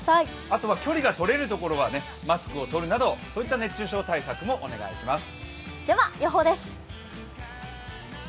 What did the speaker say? あと、距離が取れるところはマスクを取るなど、そういった熱中症対策もお願いします。